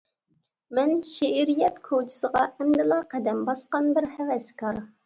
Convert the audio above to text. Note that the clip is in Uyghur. مەن شېئىرىيەت كوچىسىغا ئەمدىلا قەدەم باسقان بىر ھەۋەسكار.